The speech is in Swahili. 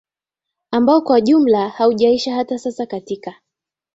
ambao kwa jumla haujaisha hata sasa Katika